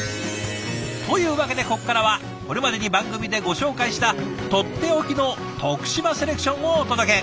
というわけでここからはこれまでに番組でご紹介したとっておきの徳島セレクションをお届け。